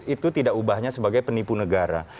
itu tidak ubahnya sebagai penipu negara